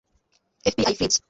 FBI, fridge!